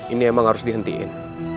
ini emang harus dihentiin